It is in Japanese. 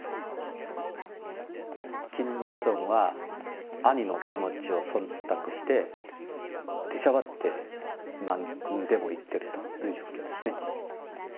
キム・ヨジョンは、兄の気持ちをそんたくして、出しゃばってなんでも言ってるという状況ですね。